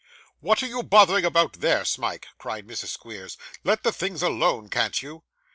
'What are you bothering about there, Smike?' cried Mrs. Squeers; 'let the things alone, can't you?